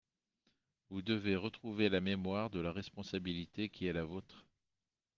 Vous devez retrouver la mémoire de la responsabilité qui est la vôtre.